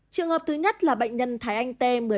trường hợp thứ nhất là bệnh nhân thái anh tê